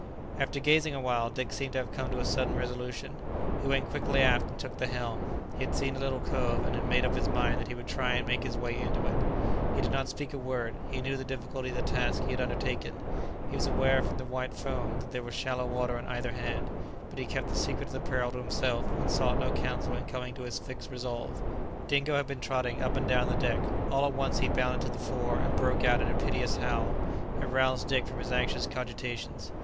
After gazing awhile, Dick seemed to have come to a sudden resolution. He went quickly aft and took the helm. He had seen a little cove, and had made up his mind that he would try and make his way into it. He did not speak a word; he knew the difficulty of the task he had undertaken; he was aware from the white foam, that there was shallow water on either hand; but he kept the secret of the peril to himself, and sought no counsel in coming to his fixed resolve. Dingo had been trotting up and down the deck. All at once he bounded to the fore, and broke out into a piteous howl. It roused Dick from his anxious cogitations.